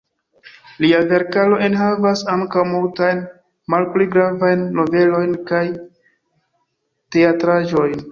Lia verkaro enhavas ankaŭ multajn malpli gravajn novelojn kaj teatraĵojn.